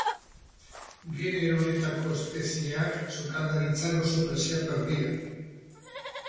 Genero honetako espezieak sukaldaritzan oso preziatuak dira.